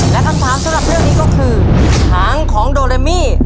และคำถามสำหรับเรื่องนี้ก็คือหางของโดเรมมี่